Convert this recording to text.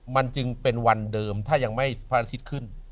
มันจึงเป็นวันเดิมถ้ายังไม่พระอาทิตย์ขึ้น